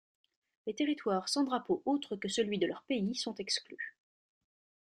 Les territoires sans drapeau autre que celui de leur pays sont exclus.